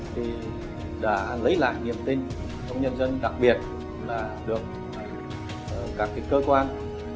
thì đã lấy lại niềm tin trong nhân dân đặc biệt là được các cơ quan